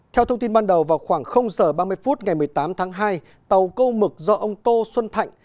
theo thông tin ban đầu vào khoảng h ba mươi phút ngày một mươi tám tháng hai tàu câu mực do ông tô xuân thạnh